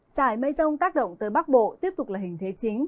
giải mây rông tác động tới bắc bộ tiếp tục là hình thế chính